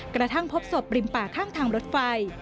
กระทั่งพบศพริมป่าข้างทางรถไฟ